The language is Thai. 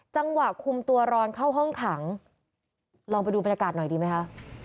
จังหวะคุมตัวรอนเข้าห้องขังลองไปดูบรรยากาศหน่อยดีไหมคะ